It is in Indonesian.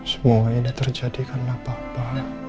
semua ini terjadi karena papa